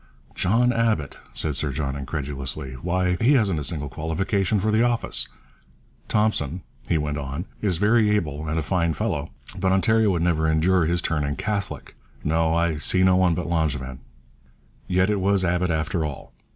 'John Abbott,' said Sir John incredulously. 'Why, he hasn't a single qualification for the office. Thompson,' he went on, 'is very able and a fine fellow, but Ontario would never endure his turning Catholic. No, I see no one but Langevin.' Yet it was Abbott after all.